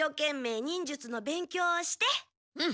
うん。